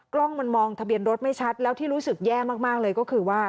กล้องมันมองทะเบียนรถไม่ชัดแล้วที่รู้สึกแย่มากเลยก็คือว่า